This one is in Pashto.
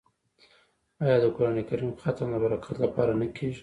آیا د قران کریم ختم د برکت لپاره نه کیږي؟